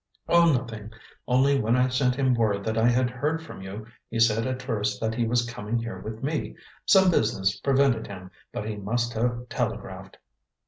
"Oh, nothing; only when I sent him word that I had heard from you, he said at first that he was coming here with me. Some business prevented him, but he must have telegraphed."